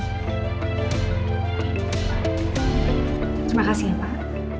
terima kasih ya pak